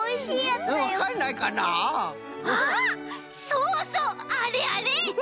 そうそうあれあれ！